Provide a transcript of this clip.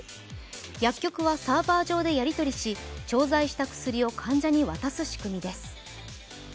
薬局はサーバー上でやり取りし調剤した薬を患者に渡す仕組みです。